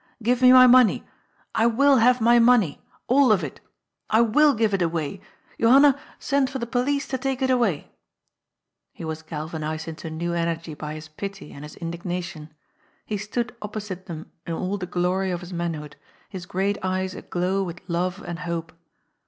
Give me my money. I will have my money. All of it. I will give it away. Johanna, send for tiie police to take it away ." He was galvanised into new energy by his pity and his indignation. He stood opposite them in all the glory of his manhood, his great eyes aglow with love and hope.